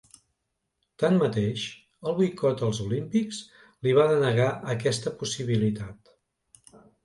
Tanmateix, el boicot als Olímpics li va denegar aquesta possibilitat.